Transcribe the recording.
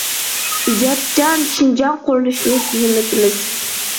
ئىجادچان شىنجاڭ قۇرۇلۇشىنى تېزلىتىمىز.